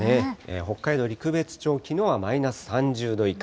北海道陸別町、きのうはマイナス３０度以下。